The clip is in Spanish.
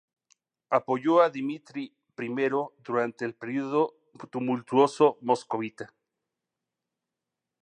Apoyó a Dimitri I durante el Período Tumultuoso moscovita.